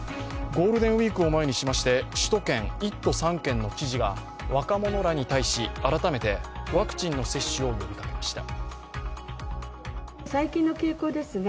ゴールデンウイークを前にして首都圏１都３県の知事が若者らに対し、改めてワクチンの接種を呼びかけました。